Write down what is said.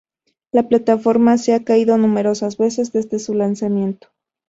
La plataforma se ha caído numerosas veces desde su lanzamiento.